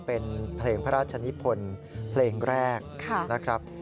เป็นเพลงพระราชนิพลเพลงแรกนะครับ